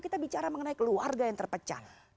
kita bicara mengenai keluarga yang terpecah